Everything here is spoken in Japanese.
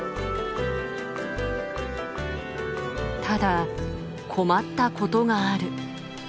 ただ困ったことがある。